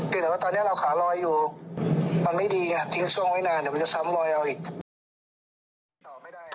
เดี๋ยวแต่ว่าตอนนี้เราขาลอยอยู่มันไม่ดีไงทิ้งช่วงไว้นานเดี๋ยวมันจะซ้ำลอยเอาอีก